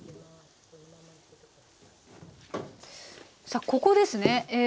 さあここですね。